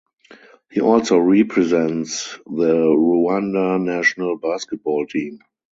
He also represents the Rwanda national basketball team.